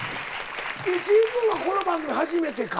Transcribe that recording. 石井君はこの番組初めてか？